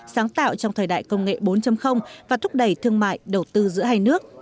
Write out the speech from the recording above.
sáng tạo trong thời đại công nghệ bốn và thúc đẩy thương mại đầu tư giữa hai nước